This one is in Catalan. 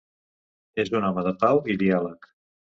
És un home de pau i diàleg.